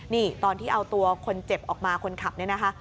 นี่ตอนที่เอาตัวคนเจ็บออกมาคนขับเนี่ยนะคะ